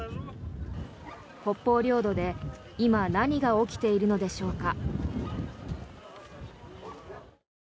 北方領土で今、何が起きているのでしょうか。